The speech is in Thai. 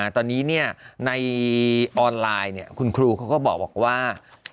ตอนนี้ในออนไลน์คุณครูเขาก็บอกว่า